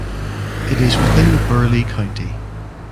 It is within Burleigh County.